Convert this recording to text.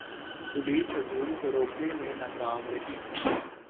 police ہجوم کو روکنے میں ناکام رہی